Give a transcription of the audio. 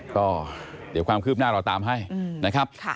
ก็เดี๋ยวความคืบหน้าเราตามให้นะครับ